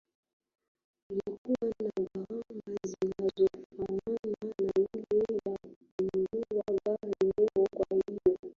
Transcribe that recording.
kulikuwa na gharama zinazofanana na ile ya kununua gari leo Kwa hiyo